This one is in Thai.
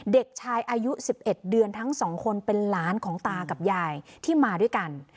เด็กชายอายุ๑๑เดือนทั้งสองคนเป็นหลานของตากับยายที่มาด้วยกัน